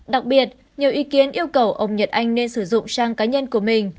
đặc biệt nhiều ý kiến yêu cầu ông nhật anh nên sử dụng trang cá nhân của mình